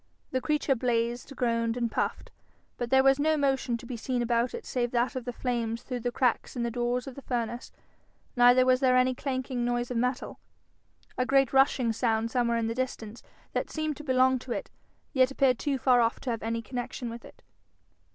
The creature blazed, groaned, and puffed, but there was no motion to be seen about it save that of the flames through the cracks in the door of the furnace, neither was there any clanking noise of metal. A great rushing sound somewhere in the distance, that seemed to belong to it, yet appeared too far off to have any connection with it.